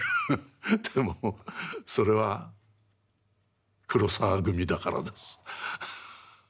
でもそれは黒澤組だからです。